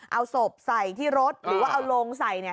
เอาศพใส่ที่รถหรือว่าเอาโลงใส่